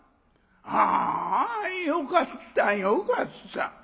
あよかったよかった』」。